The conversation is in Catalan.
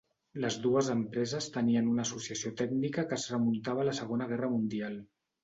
Les dues empreses tenien una associació tècnica que es remuntava a la Segona Guerra Mundial.